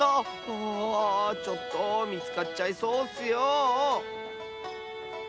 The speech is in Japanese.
あちょっとみつかっちゃいそうッスよ！